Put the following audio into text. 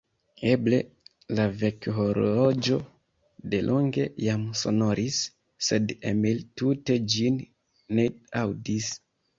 Eble la vekhorloĝo delonge jam sonoris, sed Emil tute ĝin ne aŭdis.